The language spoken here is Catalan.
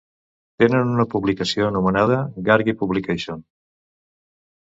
Tenen una publicació anomenada "Gargi publication".